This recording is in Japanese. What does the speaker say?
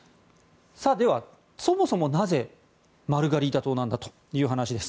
では、そもそもなぜマルガリータ島なんだという話です。